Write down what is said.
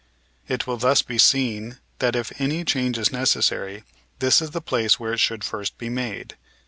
It will thus be seen that if any change is necessary this is the place where it should first be made.